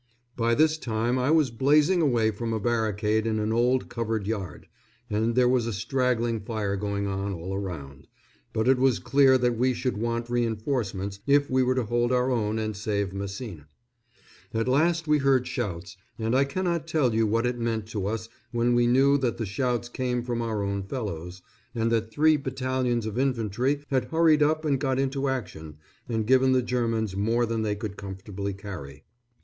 By this time I was blazing away from a barricade in an old covered yard, and there was a straggling fire going on all around; but it was clear that we should want reinforcements if we were to hold our own and save Messines. At last we heard shouts, and I cannot tell you what it meant to us when we knew that the shouts came from our own fellows, and that three battalions of infantry had hurried up and got into action and given the Germans more than they could comfortably carry.